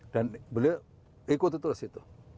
dan beliau ikut itu situ